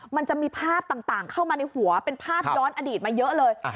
มันจะมีภาพต่างเข้ามาในหัวเป็นภาพย้อนอดีตมาเยอะเลย